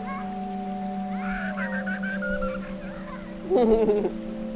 フフフフ。